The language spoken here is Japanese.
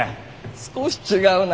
少し違うな。